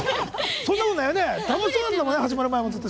そんなことないよね。